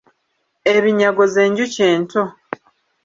Ebinyago z’enjuki ento.